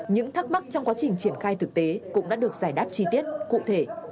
những thắc mắc trong quá trình triển khai thực tế cũng đã được giải đáp chi tiết cụ thể